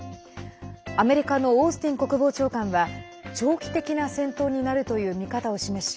アメリカのオースティン国防長官は長期的な戦闘になるという見方を示し